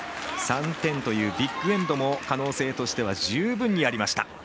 ３点というビッグエンドも可能性としては十分にありました。